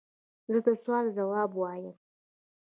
زه د سوال ځواب وایم.